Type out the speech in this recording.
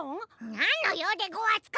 なんのようでごわすか！？